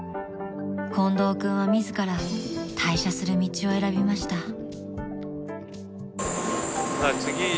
［近藤君は自ら退社する道を選びました］